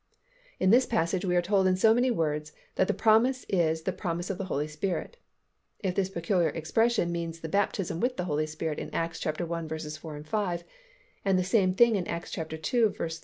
In this passage we are told in so many words that the promise is the promise of the Holy Spirit. If this peculiar expression means the baptism with the Holy Spirit in Acts i. 4, 5, and the same thing in Acts ii.